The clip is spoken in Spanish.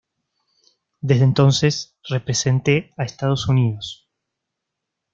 Desde entonces represente a Estados Unidos.